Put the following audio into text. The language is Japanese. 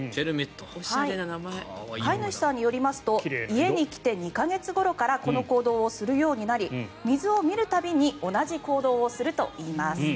飼い主さんによりますと家に来て２か月ごろからこの行動をするようになり水を見る度に同じ行動をするといいます。